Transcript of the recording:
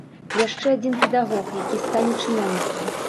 Яшчэ адзін педагог, які стане чыноўнікам.